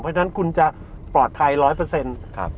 เพราะฉะนั้นคุณจะปลอดภัย๑๐๐